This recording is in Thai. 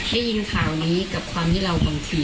ได้ยินข่าวนี้กับความที่เราบางที